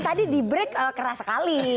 tadi di break keras sekali